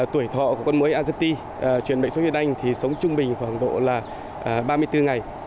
tuổi thọ của con mũi azepti truyền bệnh sốt huyết đanh thì sống trung bình khoảng độ là ba mươi bốn ngày